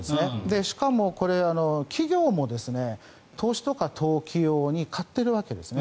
しかもこれ、企業も投資とか投機用に買っているわけです。